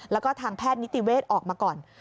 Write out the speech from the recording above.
แล้วก็ทางแพทย์นิติเวศออกมาก่อน